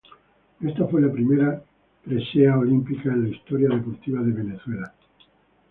Esta fue la primera presea olímpica en la historia deportiva de Venezuela.